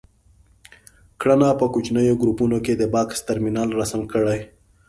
کړنه: په کوچنیو ګروپونو کې د بکس ترمینل رسم کړئ.